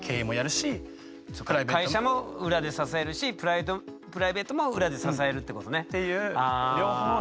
会社も裏で支えるしプライベートも裏で支えるってことね？っていう両方の。